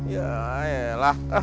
ya ya lah